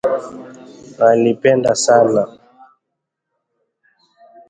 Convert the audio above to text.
Walipendana sana